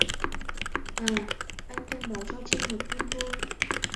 À anh thông báo cho trinh một tin vui